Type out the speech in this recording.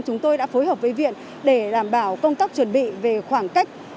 chúng tôi đã phối hợp với viện để đảm bảo công tác chuẩn bị về khoảng cách